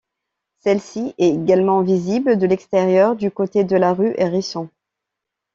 Celle-ci est également visible de l'extérieur, du côté de la rue Hérisson.